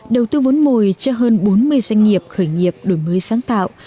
đầu tư vốn mồi cho hơn bốn mươi doanh nghiệp khởi nghiệp đổi mới sáng tạo